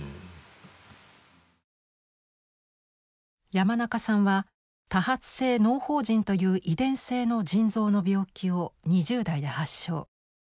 山中さんは多発性のう胞腎という遺伝性の腎臓の病気を２０代で発症。